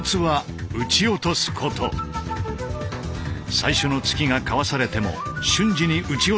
最初の突きがかわされても瞬時に打ち落として倒す